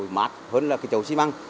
mát hơn là cái chậu xi măng